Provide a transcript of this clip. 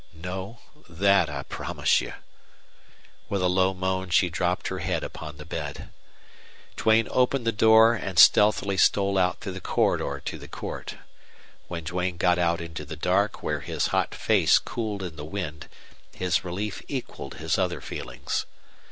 "No. That I promise you." With a low moan she dropped her head upon the bed. Duane opened the door and stealthily stole out through the corridor to the court. When Duane got out into the dark, where his hot face cooled in the wind, his relief equaled his other feelings.